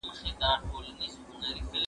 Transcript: زه له سهاره لیکل کوم